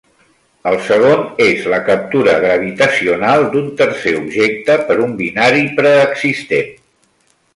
El segon és la captura gravitacional d'un tercer objecte per un binari preexistent.